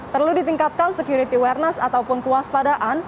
perlu ditingkatkan security awareness ataupun kewaspadaan